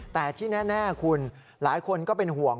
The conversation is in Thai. แต่ที่แน่คุณหลายคนก็เป็นห่วง